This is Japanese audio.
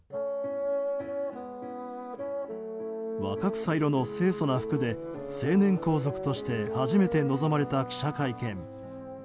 若草色の清楚な服で成年皇族として初めて臨まれた記者会見。